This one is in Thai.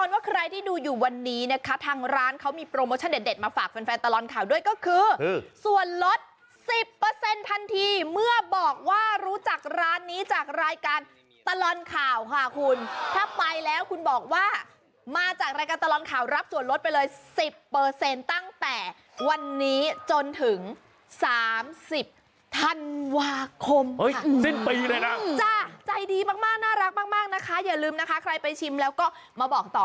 มาฝากแฟนแฟนตลอดข่าวด้วยก็คือส่วนลดสิบเปอร์เซ็นต์ทันทีเมื่อบอกว่ารู้จักร้านนี้จากรายการตลอดข่าวค่ะคุณถ้าไปแล้วคุณบอกว่ามาจากรายการตลอดข่าวรับส่วนลดไปเลยสิบเปอร์เซ็นต์ตั้งแต่วันนี้จนถึงสามสิบธันวาคมสิบปีเลยนะจ้ะใจดีมากมากน่ารักมากมากนะคะอย่าลืมนะคะใครไปชิมแล้วก็มาบอกต่